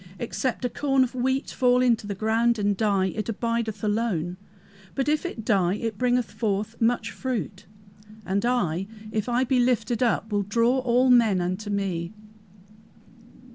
Except a corn of wheat fall into the ground and die, it abideth alone, but if it die it bringeth forth much fruit, and I, if I be lifted up, will draw all men unto me!"